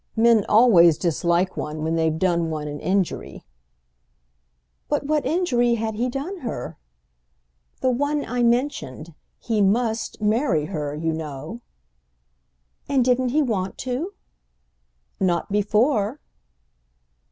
"Men always dislike one when they've done one an injury." "But what injury had he done her?" "The one I've mentioned. He must marry her, you know." "And didn't he want to?" "Not before."